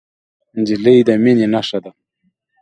نجلۍ د مینې نښه ده.